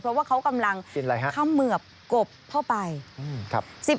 เพราะว่าเขากำลังเขมือบกบเข้าไป